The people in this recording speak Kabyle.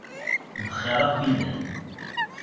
Bxiṛ akk i llan.